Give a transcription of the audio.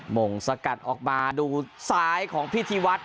มงสกัดออกมาดูซ้ายพี่ทีวัฒน์